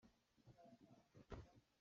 A ning a hngal tuk i aho hmanh nih an rem lo.